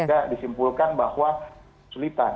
tidak disimpulkan bahwa sulitan